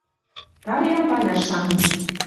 Тарья паяш шанен.